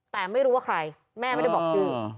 แต่ไม่รู้ว่าใครแม่ไม่ได้บอกชื่อ